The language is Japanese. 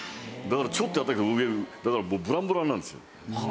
ちょっとやっただけで上だからブランブランなんですよ。